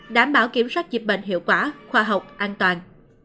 đảm bảo kiểm soát dịch bệnh hiệu quả khoa học an toàn